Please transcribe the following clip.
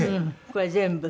これ全部？